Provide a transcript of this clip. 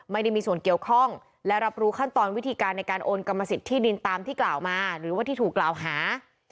ไม่ได้มีส่วนเกี่ยวข้องและรับรู้ขั้นตอนวิธีการในการโอนกรรมสิทธิดินตามที่กล่าวมาหรือว่าที่ถูกกล่าวหา